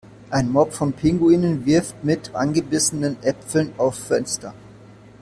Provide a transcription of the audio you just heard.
Ein Mob von Pinguinen wirft mit angebissenen Äpfeln auf Fenster.